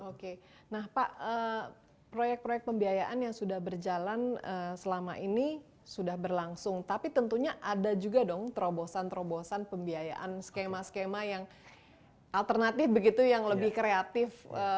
oke nah pak proyek proyek pembiayaan yang sudah berjalan selama ini sudah berlangsung tapi tentunya ada juga dong terobosan terobosan pembiayaan skema skema yang alternatif begitu yang lebih kreatif